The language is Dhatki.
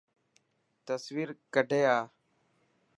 تصوير ڪڌي آءِ.